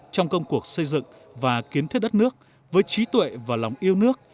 trong công cuộc xây dựng và kiến thiết đất nước với trí tuệ và lòng yêu nước